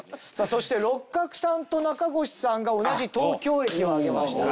そして六角さんと中越さんが同じ東京駅を挙げました。